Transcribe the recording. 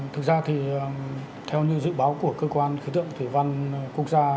thực ra thì theo như dự báo của cơ quan khí tượng thủy văn quốc gia